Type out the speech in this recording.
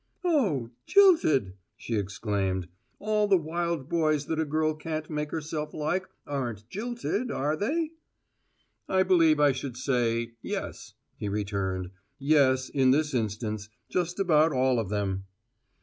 "Oh, `jilted'!" she exclaimed. "All the wild boys that a girl can't make herself like aren't `jilted,' are they?" "I believe I should say yes," he returned. "Yes, in this instance, just about all of them."